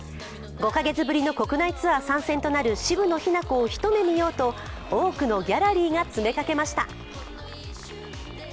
５か月ぶりの国内ツアー参戦となる渋野日向子を一目見ようと多くのギャラリーが詰めかけました。